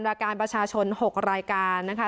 รายการประชาชน๖รายการนะคะ